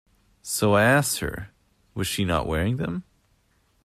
So I asked her — 'Was she not wearing them?'